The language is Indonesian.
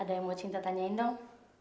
ada yang mau cinta tanyain dong